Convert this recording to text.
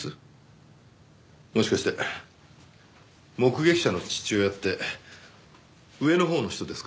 もしかして目撃者の父親って上のほうの人ですか？